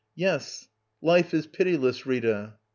Yes, life is pitiless, Rita.